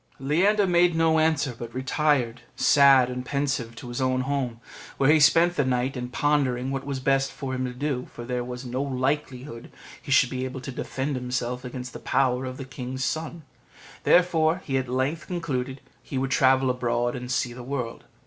Leander made no answer, but retired sad and pensive to his own home, where he spent the night in pondering what was best for him to do, for there was no likelihood he should be able to defend himself against the power of the king's son; therefore he at length concluded he would travel abroad and see the world.